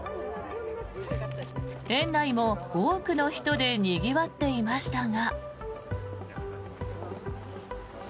園内も多くの人でにぎわっていましたが。